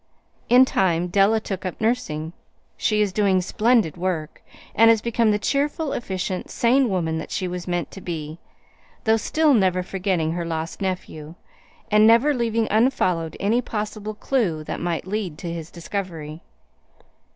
In time Della took up nursing. She is doing splendid work, and has become the cheerful, efficient, sane woman that she was meant to be though still never forgetting her lost nephew, and never leaving unfollowed any possible clew that might lead to his discovery.